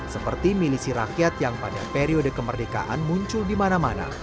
seperti milisi rakyat yang pada periode kemerdekaan muncul di mana mana